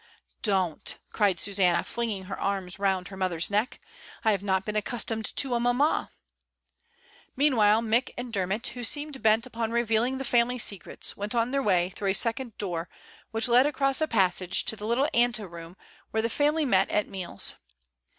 "Don't," cried Susanna, flinging her arms round her mother's neck. "I have not been accustomed to a mamma." Meanwhile Mick and Dermot, who seemed bent upon revealing the family secrets, went on their way through a second door, which led across a passage to the little ante room where the family met at THE ATELIER. 83 meals.